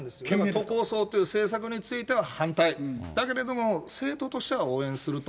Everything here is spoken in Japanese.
都構想という政策については反対、だけれども、政党としては応援すると。